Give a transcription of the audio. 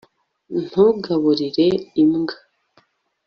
ntugaburire imbwa